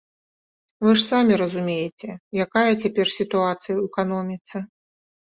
Вы ж самі разумееце, якая цяпер сітуацыя ў эканоміцы.